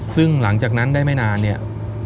ซึ่งหลังจากนั้นได้ไม่นานเนี่ย